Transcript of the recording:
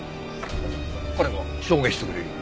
彼が証言してくれるよ。